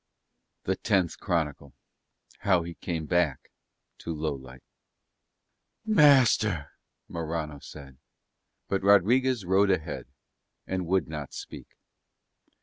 THE TENTH CHRONICLE HOW HE CAME BACK TO LOWLIGHT "Master," Morano said. But Rodriguez rode ahead and would not speak.